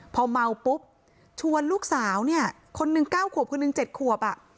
พอเมาปุ๊บชวนลูกสาวเนี่ยคนนึงเก้าขวบคนนึงเจ็ดขวบอ่ะ